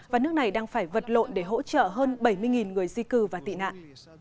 và nước này đang phải vật lộn để hỗ trợ hơn bảy mươi người di cư và tị nạn